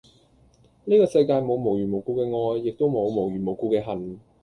呢個世界冇無緣無故嘅愛，亦都冇無緣無故嘅恨